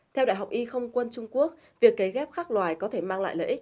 theo đại học y không quân trung quốc việc kế ghép khác loài có thể mang lại lợi ích